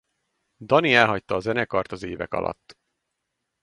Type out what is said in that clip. Dani elhagyta a zenekart az évek alatt.